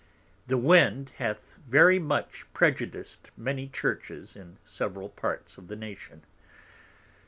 The Wind hath very much prejudiced many Churches in several Parts of the Nation.